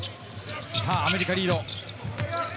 アメリカリード。